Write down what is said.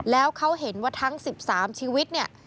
แล้วเขาเห็นว่าทั้ง๑๓ชีวิตเนี่ย